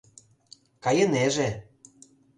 Кайынеже.